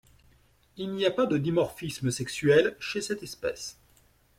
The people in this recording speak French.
Il n'y a pas de dimorphisme sexuel chez cette espèce.